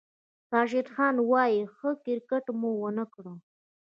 راشد خان وايي، "ښه کرېکټ مو ونه کړ"